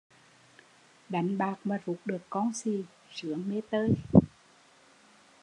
Đánh bạc mà rút được con xì, sướng mê tơi